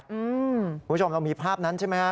คุณผู้ชมเรามีภาพนั้นใช่ไหมฮะ